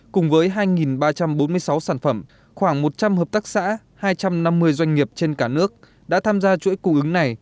cùng với hai ba trăm bốn mươi sáu sản phẩm khoảng một trăm linh hợp tác xã hai trăm năm mươi doanh nghiệp trên cả nước đã tham gia chuỗi cung ứng này